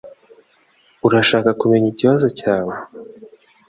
Urashaka kumenya ikibazo cyawe